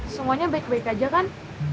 semuanya baik baik aja kan